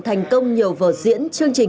thành công nhiều vợ diễn chương trình